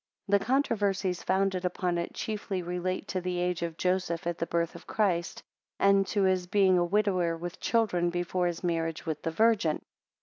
The controversies founded upon it chiefly relate to the age of Joseph at the birth of Christ, and to his being a widower with children, before his marriage with the Virgin.